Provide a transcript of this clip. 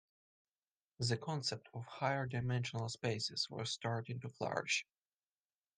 The concept of higher-dimensional spaces was starting to flourish.